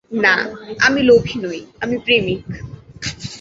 না, আমি লোভী নই, আমি প্রেমিক।